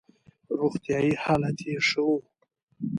روغتیايي حالت یې ښه وو.